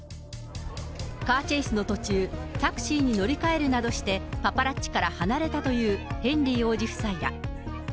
カーチェイスの途中、タクシーに乗り換えるなどして、パパラッチから離れたというヘンリー王子夫妻ら。